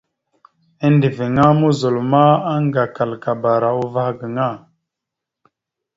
Endəveŋá muzol ma, aŋgalaŋkabara uvah gaŋa.